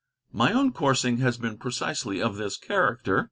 My own coursing has been precisely of this character.